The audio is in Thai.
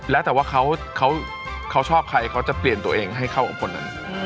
แล้วแต่ว่าเขาชอบใครเขาจะเปลี่ยนตัวเองให้เข้ากับคนนั้น